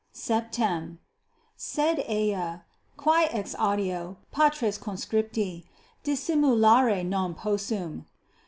_ =7.= Sed ea, quae exaudio, patres conscripti, dissimulare non 14 possum.